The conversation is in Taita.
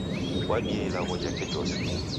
W'adia ilagho jake jose.